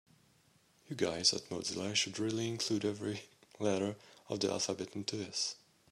You guys at Mozilla should really include every letter of the alphabet into this.